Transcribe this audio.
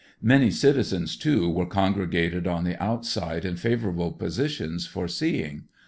Many citizens too were congre gated on the outside in favorable positions for seeing.